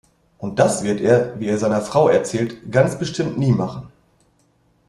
Und das wird er, wie er seiner Frau erzählt, ganz bestimmt nie machen.